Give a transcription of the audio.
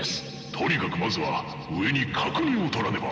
とにかくまずは上に確認をとらねば。